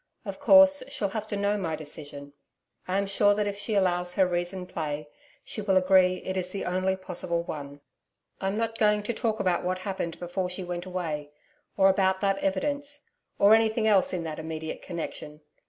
Of course, she'll have to know my decision. I am sure that if she allows her reason play, she will agree it is the only possible one. I'm not going to talk about what happened before she went away, or about that evidence or anything else in that immediate connection.